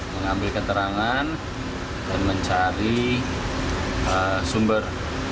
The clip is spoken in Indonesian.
mengambil keterangan dan mencari sumber